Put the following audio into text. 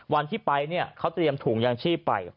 วันที่ไปเนี่ยเขาเตรียมถุงยางชีพไป